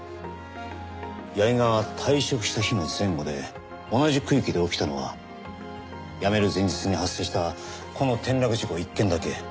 矢木が退職した日の前後で同じ区域で起きたのは辞める前日に発生したこの転落事故１件だけ。